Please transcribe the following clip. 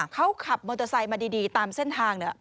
เขาขับมอเตอร์ไซค์มาดีตามเส้นทาง